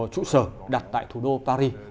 trụ sở đặt tại thủ đô paris